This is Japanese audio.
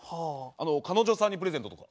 彼女さんにプレゼントとか。